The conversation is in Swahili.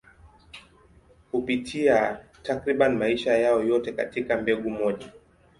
Hupitia takriban maisha yao yote katika mbegu moja.